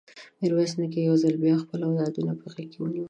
ميرويس نيکه يو ځل بيا خپل اولادونه په غېږ کې ونيول.